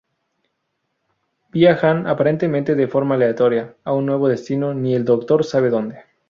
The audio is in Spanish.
Viajan, aparentemente de forma aleatoria, a un nuevo destino, ni el Doctor sabe dónde.